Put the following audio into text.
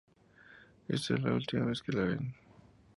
Es la última vez que la ven.